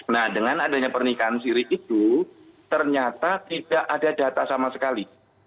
nah dengan adanya pernikahan siri itu ternyata tidak ada data sama sekali